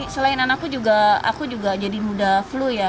selain anakku aku juga jadi mudah flu ya